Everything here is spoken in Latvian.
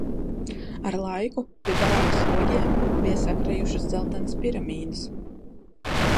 Ar laiku pie barakas logiem bija sakrājušās dzeltenas piramīdas.